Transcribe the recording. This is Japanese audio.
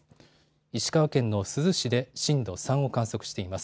石川県の珠洲市で震度３を観測しています。